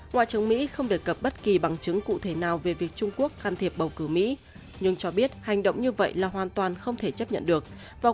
ngoại trưởng mỹ không đề cập bất kỳ bằng chứng cụ thể nào về việc trung quốc can thiệp bầu cử mỹ nhưng cho biết hành động như vậy là hoàn toàn không thể chấp nhận được